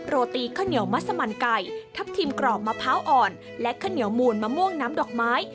โรตีข้าวเหนียวมัสมันไก่ทับทิมกรอบมะพร้าวอ่อนและข้าวเหนียวมูลมะม่วงน้ำดอกไม้